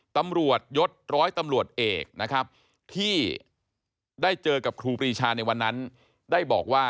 ตำรวจยศร้อยตำรวจเอกนะครับที่ได้เจอกับครูปรีชาในวันนั้นได้บอกว่า